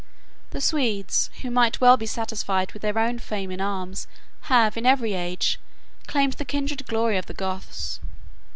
The Swedes, who might well be satisfied with their own fame in arms, have, in every age, claimed the kindred glory of the Goths.